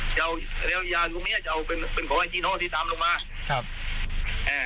จะเอาแล้วยาตรงเนี้ยจะเอาเป็นเป็นของไอ้จีโน่ที่ตามลงมาครับอ่า